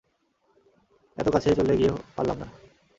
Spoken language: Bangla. এত কাছে চলে গিয়েও পারলাম না।